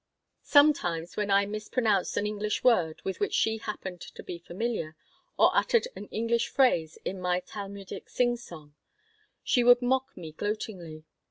Sometimes, when I mispronounced an English word with which she happened to be familiar, or uttered an English phrase in my Talmudic singsong, she would mock me gloatingly.